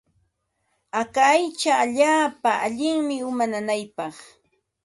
Haka aycha allaapa allinmi uma nanaypaq.